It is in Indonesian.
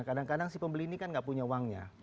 kadang kadang si pembeli ini kan nggak punya uangnya